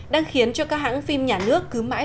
đang khiến cho các hãng phim nhà nước cứ mãi